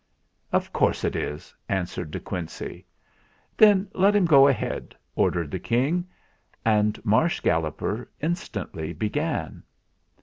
"Of course it is," answered De Quincey. "Then let him go ahead !" ordered the King, and Marsh Galloper instantly began.